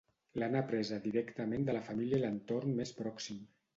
L'han apresa directament de la família i l'entorn més pròxim